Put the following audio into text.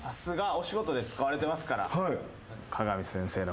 お仕事で使われてますから。